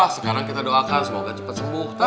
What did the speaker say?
sekarang kita doakan semoga cepat sembuh